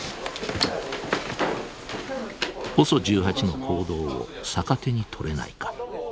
ＯＳＯ１８の行動を逆手に取れないか。